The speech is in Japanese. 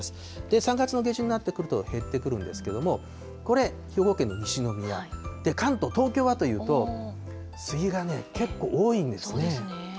３月の下旬になってくると減ってくるんですけれども、これ、兵庫県の西宮、関東、東京はというと、スギがね、結構多いんですね。